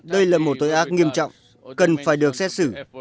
đây là một tội ác nghiêm trọng cần phải được xét xử